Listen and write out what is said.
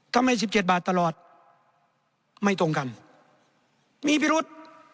ทำให้๑๗บาทตลอดไม่ตรงกันมีพิรุธ